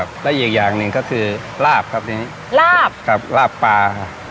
และอีกอย่างหนึ่งก็คือลาบครับทีนี้ลาบครับลาบปลา